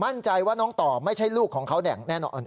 มั่นใจว่าน้องต่อไม่ใช่ลูกของเขาอย่างแน่นอน